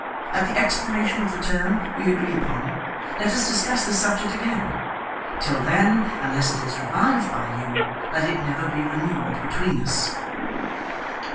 At the expiration of the term we agree upon, let us discuss this subject again. Till then, unless it is revived by you, let it never be renewed between us.